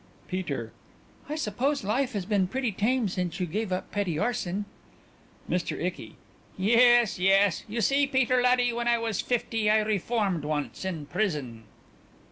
PETER: I suppose life has been pretty tame since you gave up petty arson. MR. ICKY: Yes... yes.... You see, Peter, laddie, when I was fifty I reformed once in prison.